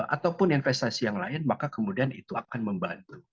ataupun investasi yang lain maka kemudian itu akan membantu